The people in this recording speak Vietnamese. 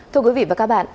thưa quý vị và các bạn